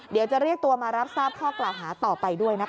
เดี๋ยวจะเรียกตัวมารับทราบข้อกล่าวหาต่อไปด้วยนะคะ